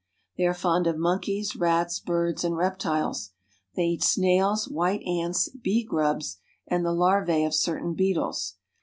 They are fond of monkeys, rats, birds, and reptiles. They eat snails, white ants, bee grubs, and the larvae of certain beetles.